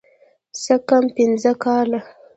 څه کم پينځه کاله.